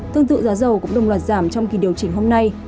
tương tự giá dầu cũng đồng loạt giảm trong kỳ điều chỉnh hôm nay